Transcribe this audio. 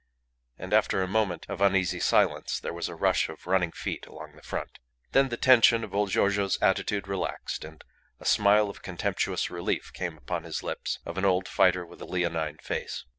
and after a moment of uneasy silence there was a rush of running feet along the front. Then the tension of old Giorgio's attitude relaxed, and a smile of contemptuous relief came upon his lips of an old fighter with a leonine face.